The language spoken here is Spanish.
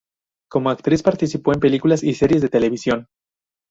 Como actriz participó en películas y series de televisión.